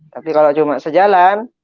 tapi kalau cuma sejalan